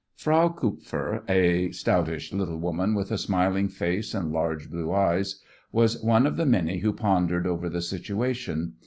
Frau Kupfer, a stoutish little woman with a smiling face and large blue eyes, was one of the many who pondered over the situation.